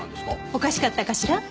おかしかったかしら？